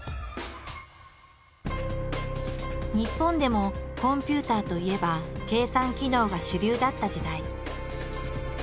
日本でもコンピューターといえば計算機能が主流だった時代。